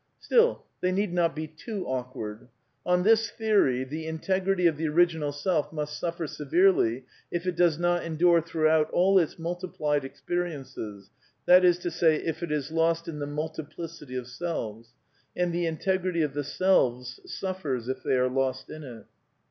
Still, they need not be too awkward. On this theory the integrity of the original self must suffer severely if it does not endure throughout all its multiplied experiences, that is to say, if it is lost in the multiplicity of selves ; and the integrity of the selves suffers if they are lost in it.